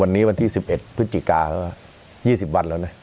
วันนี้วันที่สิบเอ็ดพฤศจิกาแล้วยี่สิบวันแล้วน่ะ